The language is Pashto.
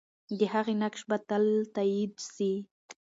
د هغې نقش به تل تایید سي.